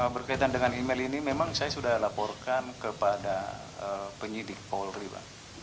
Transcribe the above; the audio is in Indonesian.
berkaitan dengan email ini memang saya sudah laporkan kepada penyidik polri pak